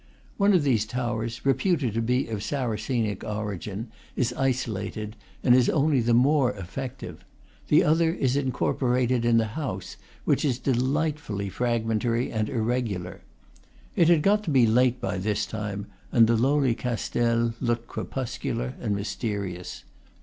One of these towers, reputed to be of Saracenic origin, is isolated, and is only the more effective; the other is incorporated in the house, which is delightfully fragmentary and irregular. It had got to be late by this time, and the lonely castel looked crepuscular and mysterious.